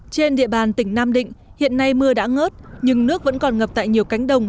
trên địa bàn tỉnh nam định hiện nay mưa đã ngớt nhưng nước vẫn còn ngập tại nhiều cánh đồng